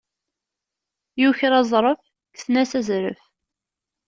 Yuker aẓref, kksen-as azref.